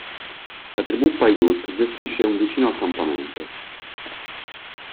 La tribù Paiute gestisce un vicino accampamento.